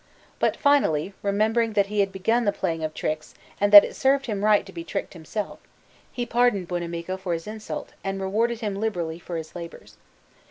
But finally, remembering that he had begun the playing of tricks and that it served him right to be tricked himself, he pardoned Buonamico for his insult and rewarded him liberally for his labours.